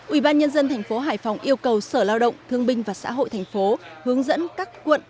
ubnd tp hcm yêu cầu sở lao động thương binh và xã hội tp hcm hướng dẫn các quận